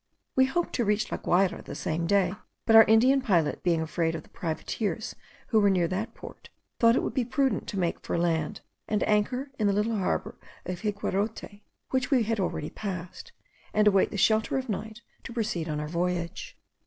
We hoped to reach La Guayra the same day; but our Indian pilot being afraid of the privateers who were near that port, thought it would be prudent to make for land, and anchor in the little harbour of Higuerote, which we had already passed, and await the shelter of night to proceed on our voyage.